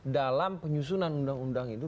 dalam penyusunan undang undang itu